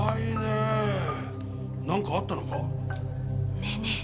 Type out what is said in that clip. ねえねえ